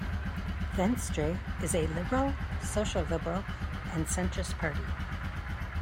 Venstre is a liberal, social-liberal and centrist party.